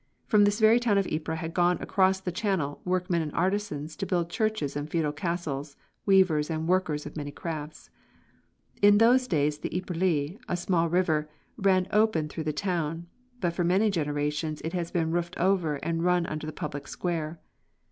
From this very town of Ypres had gone across the Channel "workmen and artisans to build churches and feudal castles, weavers and workers of many crafts." In those days the Yperlée, a small river, ran open through the town. But for many generations it has been roofed over and run under the public square.